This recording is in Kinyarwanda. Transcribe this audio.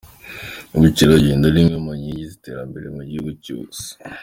Ubukerarugendo ni imwe mu nkingi z'iterambere mu bihugu byose.